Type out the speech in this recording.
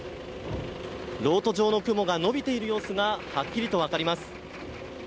漏斗状の雲が延びている様子がはっきりと分かります。